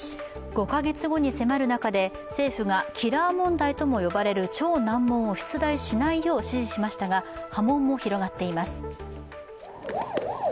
５か月後に迫る中で政府がキラー問題とも言われる超難問を出題しないよう指示しましたが、波紋も広がっています。